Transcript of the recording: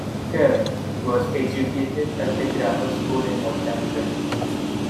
Kerr was educated at a grammar school in Northampton.